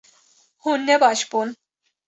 Hûn ne baş bûn